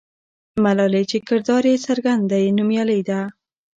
ملالۍ چې کردار یې څرګند دی، نومیالۍ ده.